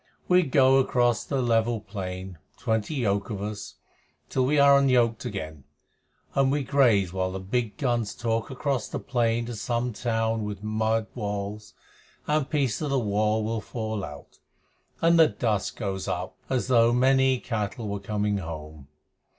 We go across the level plain, twenty yoke of us, till we are unyoked again, and we graze while the big guns talk across the plain to some town with mud walls, and pieces of the wall fall out, and the dust goes up as though many cattle were coming home."